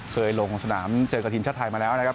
เคยลงสนามเจอกับทีมชาติไทยมาแล้วนะครับ